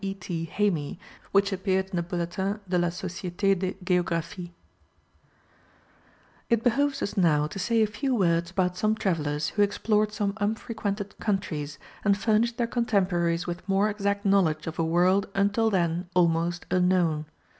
E. T. Hamy, which appeared in the Bulletin de la Société de Géographie. It behoves us now to say a few words about some travellers who explored some unfrequented countries, and furnished their contemporaries with more exact knowledge of a world until then almost unknown.